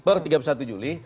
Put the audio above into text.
baru tiga puluh satu juli